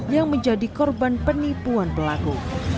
yang menjadi korban penipuan pelaku